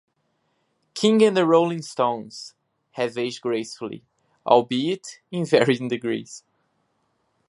King and The Rolling Stones, have aged gracefully, albeit in varying degrees.